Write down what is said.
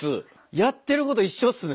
やってること一緒っすね。